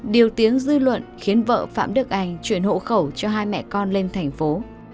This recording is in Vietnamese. điều tiếng dư luận khiến vợ phạm đức anh chuyển hộ khẩu cho hai mẹ con lên thành phố